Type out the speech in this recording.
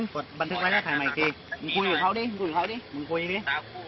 โปรดติดตามตอนต่อไป